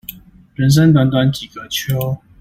人生短短幾個秋